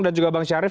dan juga bang syarif